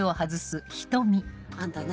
あんたね